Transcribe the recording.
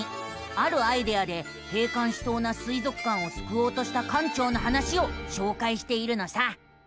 あるアイデアで閉館しそうな水族館をすくおうとした館長の話をしょうかいしているのさ。